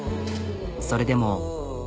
それでも。